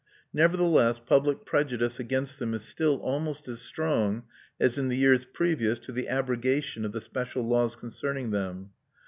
Nevertheless, public prejudice against them is still almost as strong as in the years previous to the abrogation of the special laws concerning them.